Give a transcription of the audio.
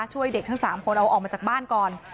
ช่วยเด็กทั้ง๓คนเอาออกมาจากบ้านก่อน